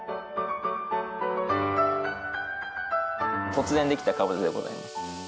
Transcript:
突然できたカボチャでございます。